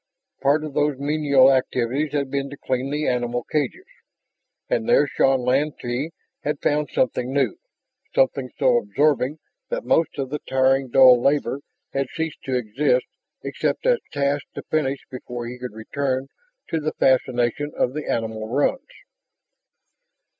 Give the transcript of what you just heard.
Part of those menial activities had been to clean the animal cages. And there Shann Lantee had found something new, something so absorbing that most of the tiring dull labor had ceased to exist except as tasks to finish before he could return to the fascination of the animal runs.